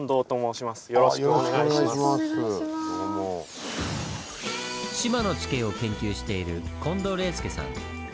志摩の地形を研究している近藤玲介さん。